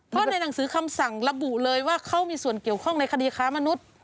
เพราะในหนังสือคำสั่งระบุเลยว่าเขามีส่วนเกี่ยวข้องในคดีค้ามนุษย์